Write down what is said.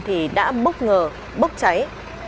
thì đã bốc ngờ bốc cháy